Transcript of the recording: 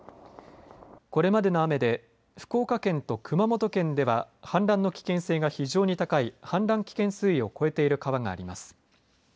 これまでの雨で福岡県と熊本県では氾濫の危険性が非常に高い氾濫危険水位を超えている川があります。